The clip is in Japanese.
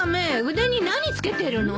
腕に何着けてるの？